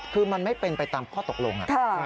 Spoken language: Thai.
คือมันไม่เป็นไปตามข้อตกลง